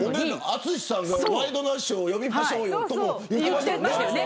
淳さんがワイドナショーに呼びましょうよと言ってました。